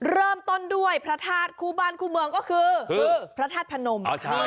เริ่มต้นด้วยพระธาชโครบาลก็คือพระธาตุพนม